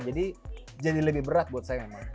jadi jadi lebih berat buat saya emang